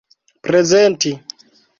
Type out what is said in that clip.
prezenti